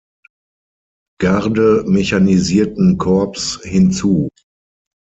Garde-mechanisierten Korps hinzu.